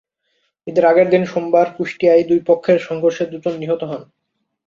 ঈদের আগের দিন সোমবার কুষ্টিয়ায় দুই পক্ষের সংঘর্ষে দুজন নিহত হন।